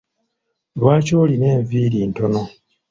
Lwaki olina enviiri ntono?